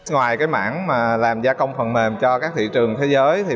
ngoài mảng làm gia công phần mềm cho các thị trường thế giới